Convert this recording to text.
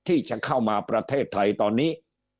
ที่จะเข้ามาประเทศไทยตอนนี้